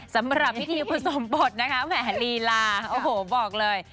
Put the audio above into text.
สำหรับพิธีผสมบทนะคะแหมลีลาโอ้โหบอกเลย